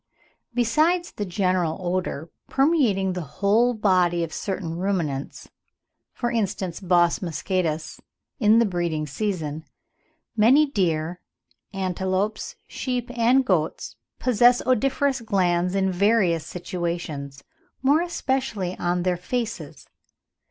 Besides the general odour, permeating the whole body of certain ruminants (for instance, Bos moschatus) in the breeding season, many deer, antelopes, sheep, and goats possess odoriferous glands in various situations, more especially on their faces.